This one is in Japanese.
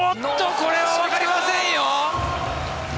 これは分かりませんよ。